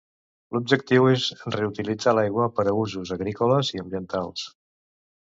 L'objectiu és reutilitzar l'aigua per a usos agrícoles i ambientals.